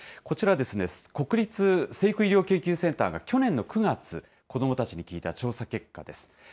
こちら、国立成育医療研究センターが去年の９月、子どもたちに聞いた調査結果です。